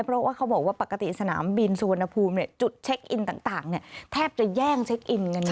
เพราะว่าเขาบอกว่าปกติสนามบินสุวรรณภูมิจุดเช็คอินต่างแทบจะแย่งเช็คอินกันนะ